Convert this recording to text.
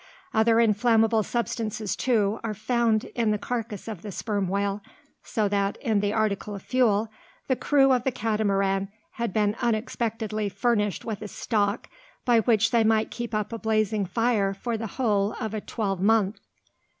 Other inflammable substances, too, are found in the carcass of the sperm whale: so that, in the article of fuel, the crew of the Catamaran had been unexpectedly furnished with a stock by which they might keep up a blazing fire for the whole of a twelvemonth.